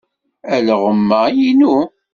Alɣem-a i nnu.